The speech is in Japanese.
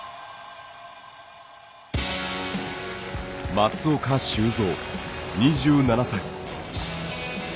松岡修造、２７歳。